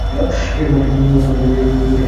মনকে বাহ্য বিষয় হইতে গুটাইয়া অন্তর্মুখী করিতে হইবে।